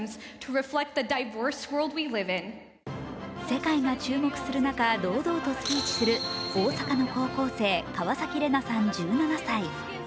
世界が注目する中、堂々とスピーチする大阪の高校生・川崎レナさん１７歳。